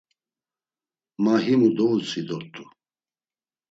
Ma himu dovutzvi dort̆u.